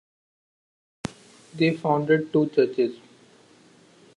They founded two churches.